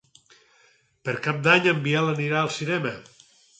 Per Cap d'Any en Biel anirà al cinema.